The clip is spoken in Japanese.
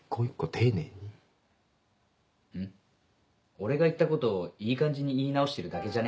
俺が言ったこといい感じに言い直してるだけじゃね？